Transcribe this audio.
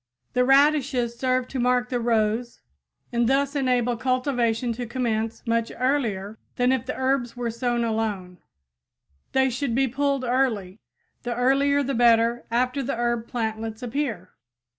The radishes serve to mark the rows and thus enable cultivation to commence much earlier than if the herbs were sown alone. They should be pulled early the earlier the better after the herb plantlets appear.